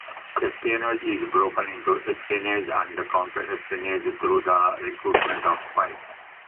Espionage is broken into espionage and counter-espionage through the recruitment of spies.